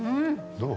どう？